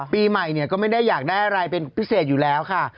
ปีใหม่ก็ไม่ได้อยากได้อะไรเป็นพิเศษอยู่แล้วค่ะ